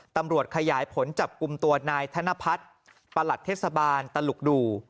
ตำรวจขยายผลจับกลุ่มตัวนายธนพัฒน์ประหลัดเทศบาลตลุกดู